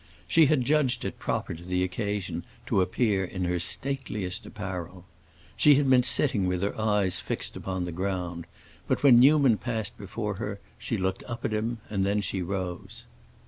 She had judged it proper to the occasion to appear in her stateliest apparel. She had been sitting with her eyes fixed upon the ground, but when Newman passed before her she looked up at him, and then she rose.